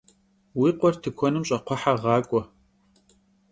Vui khuer tıkuenım ş'akxhuehe ğak'ue.